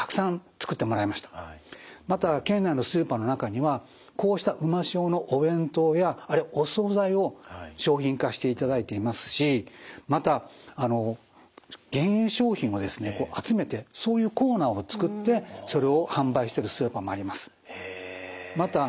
また県内のスーパーの中にはこうしたうま塩のお弁当やお総菜を商品化していただいていますしまた減塩商品をですね集めてそういうコーナーを作ってそれを販売してるスーパーもあります。